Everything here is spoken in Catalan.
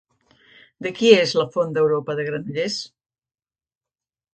De qui és la Fonda Europa de Granollers?